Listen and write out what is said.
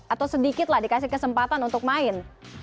atau sedikitlah dikasih kesempatan untuk main